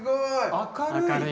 明るい！